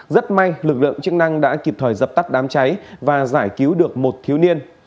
rất may lực lượng chức năng đã kịp thời dập tắt đám cháy và giải cứu được một thiếu niên